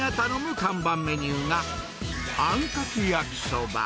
看板メニューが、あんかけ焼きそば。